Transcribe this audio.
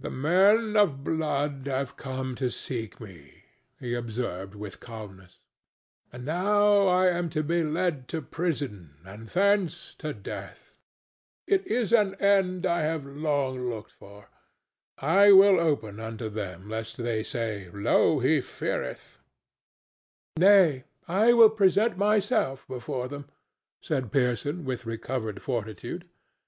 "The men of blood have come to seek me," he observed, with calmness. "They have heard how I was moved to return from banishment, and now am I to be led to prison, and thence to death. It is an end I have long looked for. I will open unto them lest they say, 'Lo, he feareth!rsquo;" "Nay; I will present myself before them," said Pearson, with recovered fortitude.